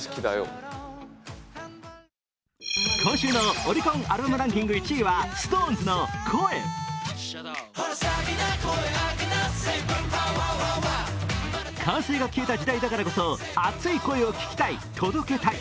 今週のオリコンアルバムランキング１位はＳｉｘＴＯＮＥＳの「声」完成が消えた時代だからこそ熱い声を聴かせたい、届けたい。